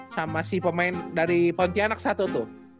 sama si pemain dari pontianak satu tuh